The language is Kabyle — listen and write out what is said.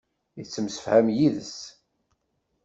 Yettemsefham yid-s.